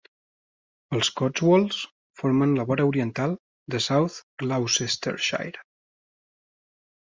Els Cotswolds formen la vora oriental de South Gloucestershire.